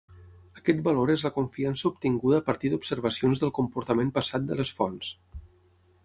Aquest valor és la confiança obtinguda a partir d'observacions del comportament passat de les fonts.